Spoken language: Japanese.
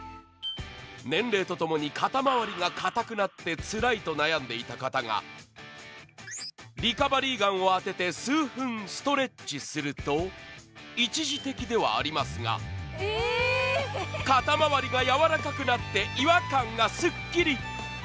年齢とともに肩周りがかたくなってつらいと悩んでいた方がリカバリーガンを当てて数分ストレッチすると一時的ではありますが、肩回りが柔らかくなって違和感がスッキリ！